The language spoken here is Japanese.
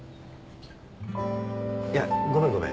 いやごめんごめん。